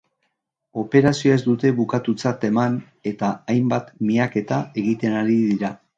Operazioa ez dute bukatutzat eman, eta hainbat miaketa egiten ari dira.